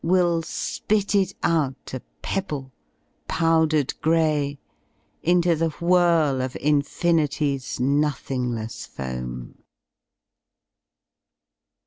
Will spit it out a pebble, powdered grey, Into the whirl of Infinity s nothinglessfoam.'"